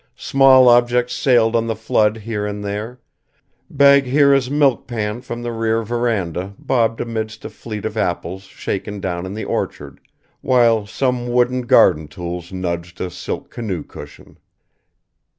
Small objects sailed on the flood here and there; Bagheera's milk pan from the rear veranda bobbed amidst a fleet of apples shaken down in the orchard, while some wooden garden tools nudged a silk canoe cushion.